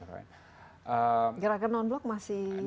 gerakan non blok masih eksis nggak